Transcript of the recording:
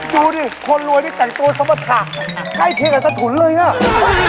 ดูดิคนรวยที่แต่งตัวซับประถักใกล้เทียกกับซะถุนเลยน่ะ